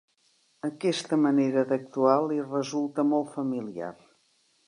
Aquesta manera d'actuar li resulta molt familiar.